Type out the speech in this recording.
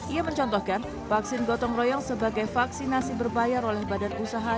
ia mencontohkan vaksin gotong royong sebagai vaksinasi berbayar oleh badan usaha